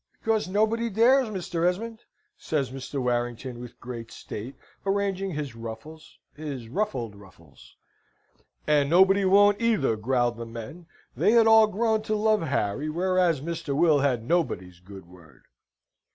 "Because nobody dares, Mr. Esmond," says Mr. Warrington, with great state, arranging his ruffles his ruffled ruffles. "And nobody won't neither," growled the men. They had all grown to love Harry, whereas Mr. Will had nobody's good word.